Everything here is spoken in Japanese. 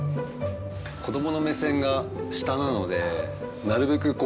子供の目線が下なのでなるべく